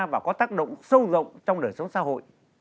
và có tác động sâu rộng trong đời sống xã hội